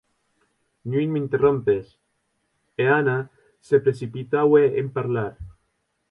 Non m'interrompes, e Anna se precipitaue en parlar.